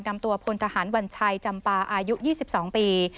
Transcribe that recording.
นำตัวพลทหารวัญชัยจำปาอายุ๒๒ปี